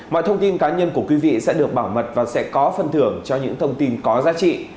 mọi thông tin cá nhân của quý vị sẽ được bảo mật và sẽ có phần thưởng cho những thông tin có giá trị